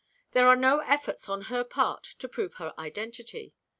There are no efforts on her part to prove her identity.